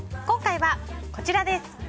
今回は、こちらです。